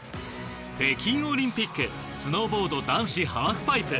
北京オリンピックスノーボード男子ハーフパイプ。